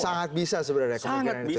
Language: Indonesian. sangat bisa sebenarnya kemungkinan itu ya